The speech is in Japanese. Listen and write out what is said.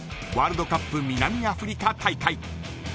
ワールドカップ南アフリカ大会。